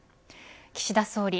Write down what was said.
岸田総理